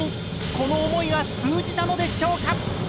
この思いは通じたのでしょうか？